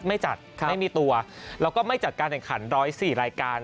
ไม่จัดไม่มีตัวแล้วก็ไม่จัดการแข่งขัน๑๐๔รายการ